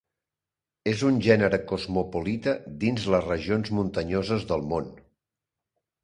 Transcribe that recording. És un gènere cosmopolita dins les regions muntanyoses del món.